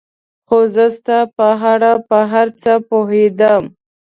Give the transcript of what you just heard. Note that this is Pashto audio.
خو زه ستا په اړه په هر څه پوهېدم.